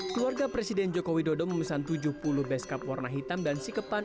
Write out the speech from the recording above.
keluarga presiden joko widodo memesan tujuh puluh beskap warna hitam dan sikepan